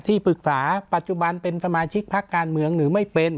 ที่ปรึกษาปัจจุบันเป็นสมาชิกพักการเมืองหรือไม่เป็น